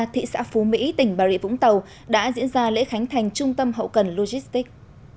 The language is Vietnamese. thị xã phú mỹ tỉnh bà rịa vũng tàu đã diễn ra lễ khánh thành trung tâm hậu cần logistics